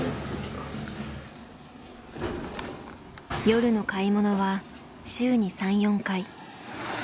夜の買い物は週に３４回。